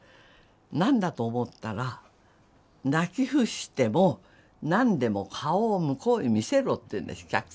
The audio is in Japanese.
何だと思ったら「泣き伏しても何でも顔を向こうに見せろ」って言うんです客席へ。